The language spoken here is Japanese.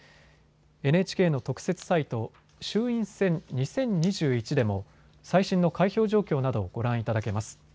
ＮＨＫの特設サイト、衆院選２０２１でも最新の開票状況などをご覧いただけます。